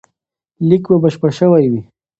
لیک به بشپړ سوی وي.